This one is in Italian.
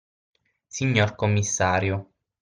Signor commissario.